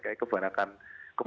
kayak kebanyakan asep